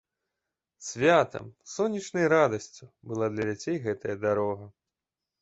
Святам, сонечнай радасцю была для дзяцей гэта дарога.